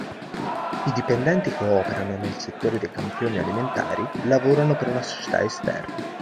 I dipendenti che operano nel settore dei campioni alimentari lavorano per una società esterna.